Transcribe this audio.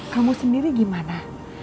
kamu sendiri gimana